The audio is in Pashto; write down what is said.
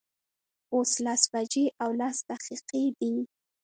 اوس لس بجې او لس دقیقې دي